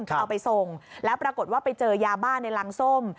จะเอาไปส่งแล้วปรากฏว่าไปเจอยาบ้าในรังส้ม